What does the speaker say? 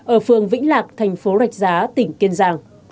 ở phường vĩnh lạc thành phố rạch giá tỉnh kiên giang